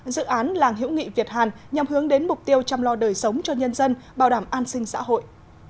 dự án làng hiễu nghị việt hàn nhằm hướng đến mục tiêu chăm lo đời sống cho nhân dân bảo đảm an sinh xã hội